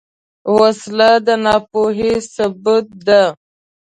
وسله د ناپوهۍ ثبوت ده